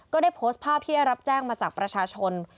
ก็ได้โพสต์ภาพที่ได้รับแจ้งมาจากประชาชน